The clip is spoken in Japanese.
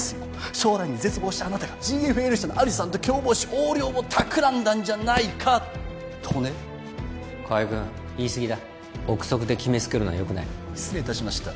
将来に絶望したあなたがＧＦＬ社のアリさんと共謀し横領をたくらんだんじゃないかとね河合君言い過ぎだ臆測で決めつけるのはよくない失礼いたしました